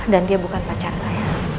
dan dia bukan pacar saya